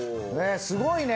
すごいね。